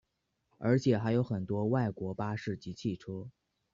而且还有很多外国巴士及汽车。